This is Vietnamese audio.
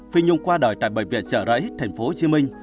phi nhung qua đời tại bệnh viện trở rẫy tp hcm